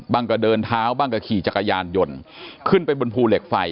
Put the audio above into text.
ก็เดินเท้าบ้างก็ขี่จักรยานยนต์ขึ้นไปบนภูเหล็กไฟ